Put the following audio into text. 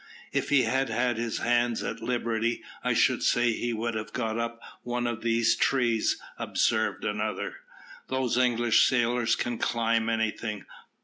"If he had had his hands at liberty, I should say he would have got up one of these trees," observed another. "Those English sailors can climb anything.